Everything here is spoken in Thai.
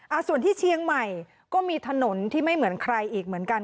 ส่วนที่เชียงใหม่ก็มีถนนที่ไม่เหมือนใครอีกเหมือนกัน